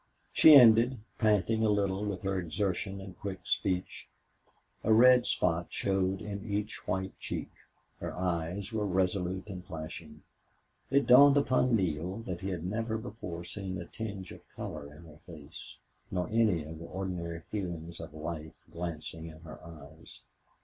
She ended, panting a little from her exertion and quick speech. A red spot showed in each white cheek. Her eyes were resolute and flashing. It dawned upon Neale that he had never before seen a tinge of color in her face, nor any of the ordinary feelings of life glancing in her eyes.